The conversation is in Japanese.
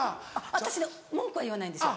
私文句は言わないんです。